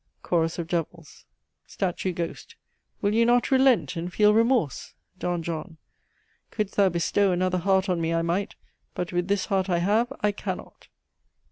"Chorus of Devils. "STATUE GHOST. Will you not relent and feel remorse? "D. JOHN. Could'st thou bestow another heart on me I might. But with this heart I have, I can not.